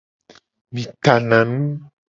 Mi tana nu.